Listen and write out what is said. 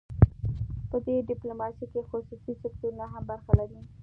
په دې ډیپلوماسي کې خصوصي سکتورونه هم برخه لري